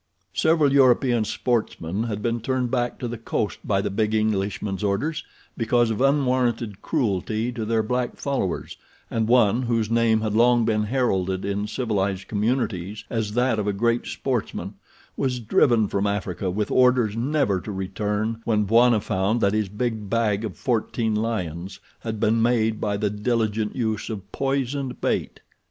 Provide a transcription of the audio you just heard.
Several European sportsmen had been turned back to the coast by the big Englishman's orders because of unwarranted cruelty to their black followers, and one, whose name had long been heralded in civilized communities as that of a great sportsman, was driven from Africa with orders never to return when Bwana found that his big bag of fourteen lions had been made by the diligent use of poisoned bait.